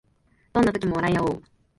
どんな時も笑いあおう